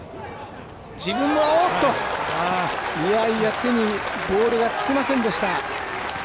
手にボールがつきませんでした。